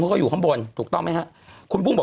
เขาก็อยู่ข้างบนถูกต้องไหมครับ